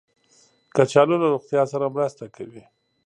کچالو له روغتیا سره مرسته کوي